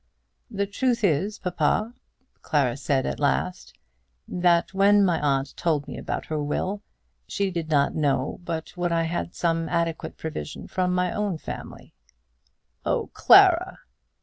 "The truth is, papa," Clara said at last, "that when my aunt told me about her will, she did not know but what I had some adequate provision from my own family." "Oh, Clara!"